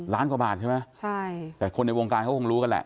ล้านกว่าบาทปะใช่ไหมแต่คนในวงการเขาก็รู้กันแหละ